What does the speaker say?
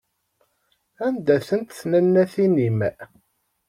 Anda-tent tnannatin-im?